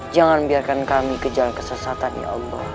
jangan biarkan kami kejar kesesatan ya allah